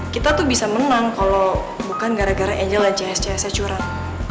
kita tuh bisa menang kalo bukan gara gara angel aja cs csa curang